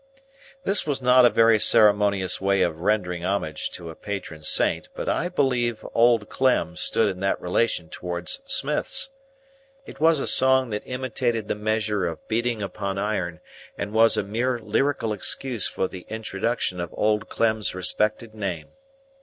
This was not a very ceremonious way of rendering homage to a patron saint, but I believe Old Clem stood in that relation towards smiths. It was a song that imitated the measure of beating upon iron, and was a mere lyrical excuse for the introduction of Old Clem's respected name.